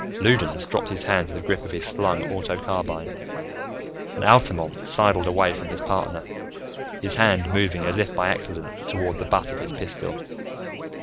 Loudons dropped his hand to the grip of his slung auto carbine and Altamont sidled away from his partner, his hand moving as if by accident toward the butt of his pistol.